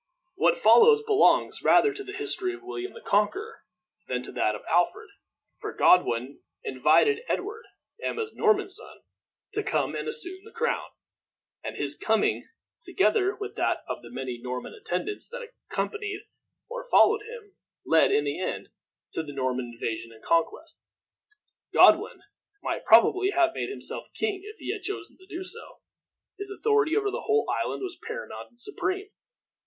What follows belongs rather to the history of William the Conqueror than to that of Alfred, for Godwin invited Edward, Emma's Norman son, to come and assume the crown; and his coming, together with that of the many Norman attendants that accompanied or followed him, led, in the end, to the Norman invasion and conquest. Godwin might probably have made himself king if he had chosen to do so. His authority over the whole island was paramount and supreme.